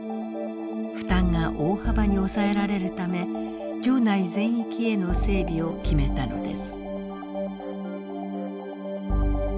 負担が大幅に抑えられるため町内全域への整備を決めたのです。